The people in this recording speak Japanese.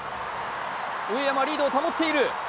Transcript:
上山、リードを保っている。